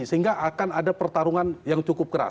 sehingga akan ada pertarungan yang cukup keras